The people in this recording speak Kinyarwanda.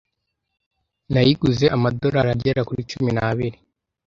Nayiguze amadorari agera kuri cumi n'abiri.